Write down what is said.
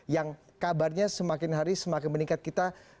yang kabarnya semakin hari semakin meningkat kita